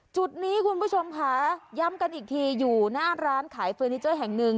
จุดนี้คุณผู้ชมค่ะย้ำกันอีกทีอยู่หน้าร้านขายเฟอร์นิเจอร์แห่งหนึ่ง